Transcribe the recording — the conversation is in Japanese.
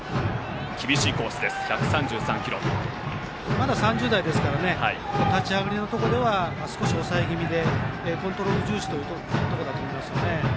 まだ１３０キロ台ですから立ち上がりのところでは少し抑え気味でコントロール重視だと思います。